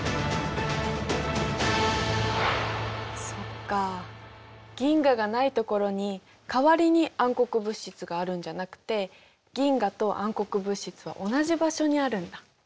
そっか銀河がないところに代わりに暗黒物質があるんじゃなくて銀河と暗黒物質は同じ場所にあるんだ。